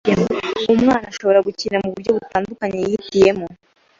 Umwana arashobora gukina muburyo butandukanye yihitiyemo.